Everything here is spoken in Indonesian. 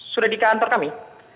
sudah di kantor kami